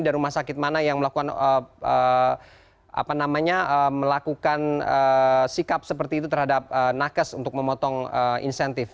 dan rumah sakit mana yang melakukan sikap seperti itu terhadap nakes untuk memotong insentif